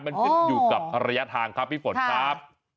มันคืออยู่กับระยะทางครับวิฝุ่นครับ